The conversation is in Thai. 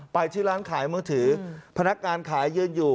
ไปเที่ยวร้านขายมือถือพนักการขายยื่นอยู่